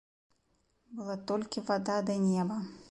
Была толькі вада ды неба.